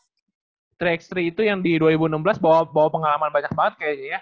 dan itu apa tiga x tiga itu yang di dua ribu enam belas bawa pengalaman banyak banget kayaknya ya